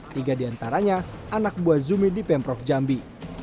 tiga diantaranya anak buah zumi di pemprov jambi